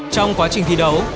trong quá trình thi đấu